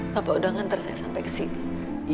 bapak udah nganter saya sampe kesini